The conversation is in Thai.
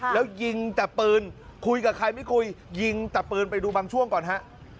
แล้วยิงแต่ปืนคุยกับใครไม่คุยยิงแต่ปืนไปดูบางช่วงก่อนฮะ